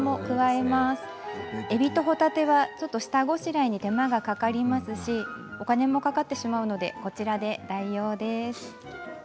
えびとほたては下ごしらえに手間がかかりますしお金もかかってしまうのでこちらで代用です。